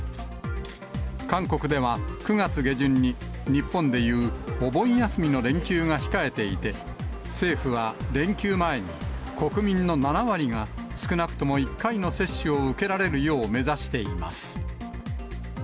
韓国では９月下旬に、日本でいうお盆休みの連休が控えていて、政府は連休前に国民の７割が少なくとも１回の接種を受けられるよう目指しています。